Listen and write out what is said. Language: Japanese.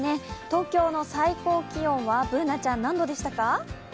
東京の最高気温はＢｏｏｎａちゃん、何度でしたか？